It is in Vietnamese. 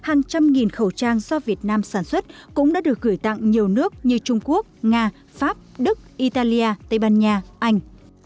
hàng trăm nghìn khẩu trang do việt nam sản xuất cũng đã được gửi tặng nhiều nước như trung quốc nga pháp đức italia tây ban nha anh